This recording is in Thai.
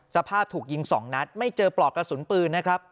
สภาพถูกยิง๒นัดไม่เจอปลอกกระสุนปืนนะครับ